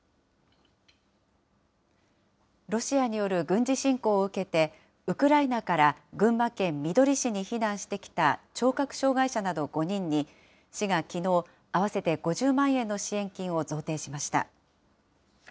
ロシアによる軍事侵攻を受けて、ウクライナから群馬県みどり市に避難してきた聴覚障害者など５人に、市がきのう、合わせて５０万円の支援金を贈呈しました。